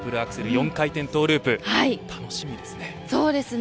４回転トゥループ楽しみですね。